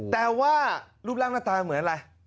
แต่ว่ารูปร่างหน้าตาเหมือนอะไร